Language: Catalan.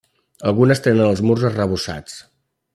Algunes tenen els murs arrebossats.